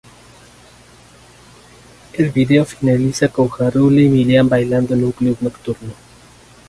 El video finaliza con Ja Rule y Milian bailando en un club nocturno.